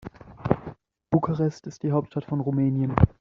Bukarest ist die Hauptstadt von Rumänien.